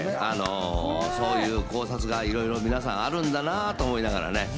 そういう考察がいろいろ皆さんあるんだなぁと思いながら、ね。